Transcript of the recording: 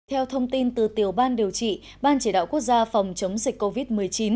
theo thông tin từ tiểu ban điều trị ban chỉ đạo quốc gia phòng chống dịch covid một mươi chín